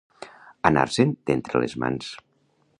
Anar-se'n d'entre les mans.